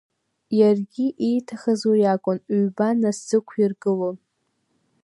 Иаргьы ииҭахыз уи акәын, ҩба насзықәиргылон.